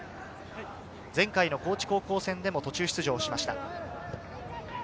前回、高知高校戦でも途中出場しました。